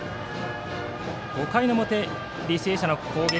５回の表、履正社の攻撃。